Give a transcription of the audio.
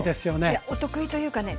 いやお得意というかね